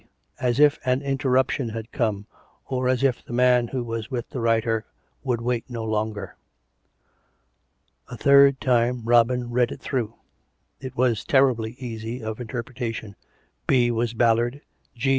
as if an interruption had come, or as if the man who was with the writer would wait no longer. A third time Robin read it through. It was terribly easy of interpretation. " B." was Ballard; " G."